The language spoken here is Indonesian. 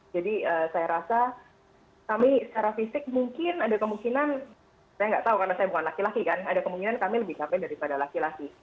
jadi saya rasa kami secara fisik mungkin ada kemungkinan saya nggak tahu karena saya bukan laki laki kan ada kemungkinan kami lebih capek daripada laki laki